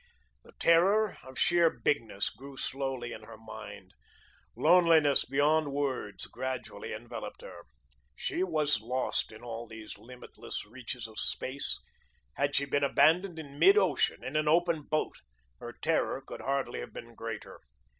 The terror of sheer bigness grew slowly in her mind; loneliness beyond words gradually enveloped her. She was lost in all these limitless reaches of space. Had she been abandoned in mid ocean, in an open boat, her terror could hardly have been greater.